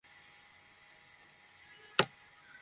আমি মনে করি, এতে প্রবাসে বাংলা ছবির একটা বাজার তৈরি হবে।